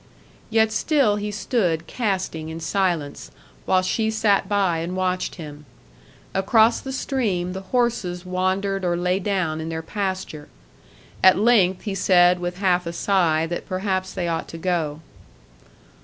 Yet still he stood casting in silence, while she sat by and watched him. Across the stream, the horses wandered or lay down in their pasture. At length he said with half a sigh that perhaps they ought to go.